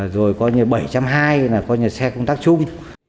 rồi coi như bảy hai trăm linh là coi như xe công tác chung